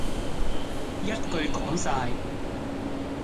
一句講哂